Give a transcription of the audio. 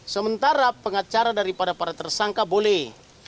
sementara pengacara daripada para tersangka boleh